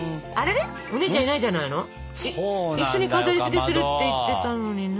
一緒に飾りつけするって言ってたのにね。